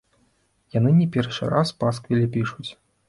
Яны не першы раз пасквілі пішуць.